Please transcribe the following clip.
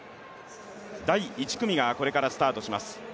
第１組がこれからスタートします。